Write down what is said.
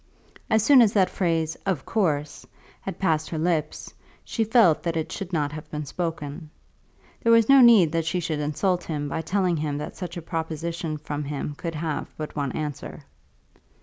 As soon as that phrase "of course" had passed her lips, she felt that it should not have been spoken. There was no need that she should insult him by telling him that such a proposition from him could have but one answer.